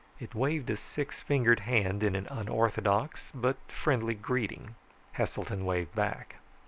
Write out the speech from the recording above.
It waved a six fingered hand in an unorthodox, but friendly, greeting. Heselton waved back.